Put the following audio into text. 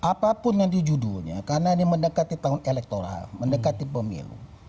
apapun nanti judulnya karena ini mendekati tahun elektoral mendekati pemilu